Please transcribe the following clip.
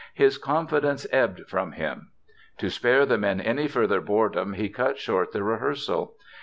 His confidence ebbed from him. To spare the men any further boredom he cut short the rehearsal.